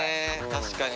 確かに。